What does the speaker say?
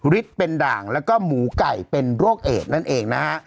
ฤทธิ์เป็นด่างแล้วก็หมูไก่เป็นโรคเอดนั่นเองนะฮะ